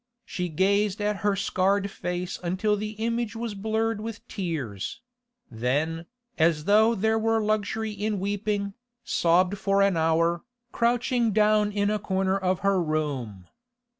She gazed at her scarred face until the image was blurred with tears; then, as though there were luxury in weeping, sobbed for an hour, crouching down in a corner of her room.